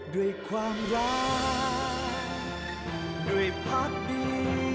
ด้วยความรักด้วยพักดี